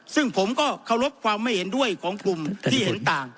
ซึ่งผมก็เคารพความไม่เห็นด้วยของกลุ่มที่เห็นต่าง